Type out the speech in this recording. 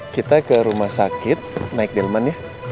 kita ke rumah sakit naik delman ya